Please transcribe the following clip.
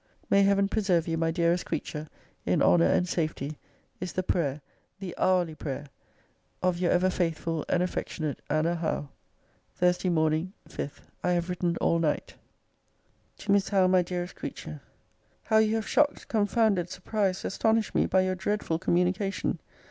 May Heaven preserve you, my dearest creature, in honour and safety, is the prayer, the hourly prayer, of Your ever faithful and affectionate ANNA HOWE. THURSDAY MORN. 5. I have written all night TO MISS HOWE MY DEAREST CREATURE, How you have shocked, confounded, surprised, astonished me, by your dreadful communication!